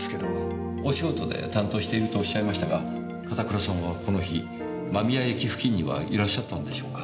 お仕事で担当しているとおっしゃいましたが片倉さんはこの日間宮駅付近にはいらっしゃったんでしょうか？